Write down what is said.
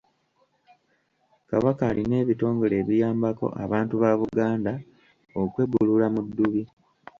Kabaka alina ebitongole ebiyambako abantu ba Buganda okwebbulula mu ddubi.